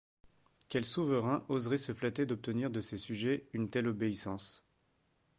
Quel souverain oserait se flatter d’obtenir de ses sujets une telle obéissance !